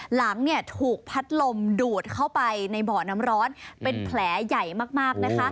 หลังถูกพัดลมดูดเข้าไปในบ่อน้ำร้อนเป็นแผลใหญ่มากนะคะ